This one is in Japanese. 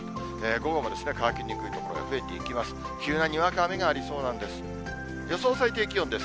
午後も乾きにくい所が増えていきます。